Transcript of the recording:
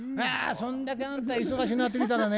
そんだけあんた忙しなってきたらね